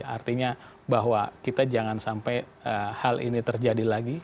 artinya bahwa kita jangan sampai hal ini terjadi lagi